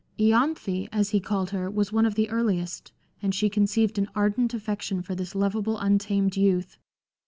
lanthe, as he called her, was one of the earliest, and she conceived an ardent affection for this lovable untamed youth.